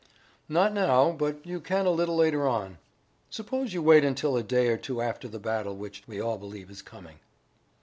"Not now, but you can a little later on. Suppose you wait until a day or two after the battle which we all believe is coming."